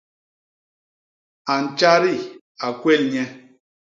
A ntjadi, a kwél nye.